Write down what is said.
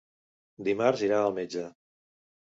Dimarts irà al metge.